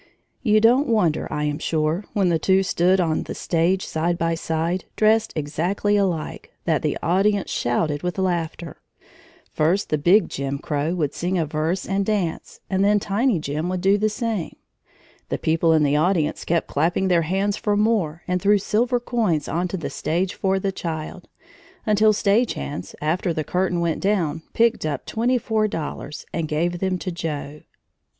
You don't wonder, I am sure, when the two stood on the stage, side by side, dressed exactly alike, that the audience shouted with laughter. First the big Jim Crow would sing a verse and dance, and then the tiny Jim would do the same. The people in the audience kept clapping their hands for more and threw silver coins on to the stage for the child, until stage hands, after the curtain went down, picked up twenty four dollars and gave them to Joe.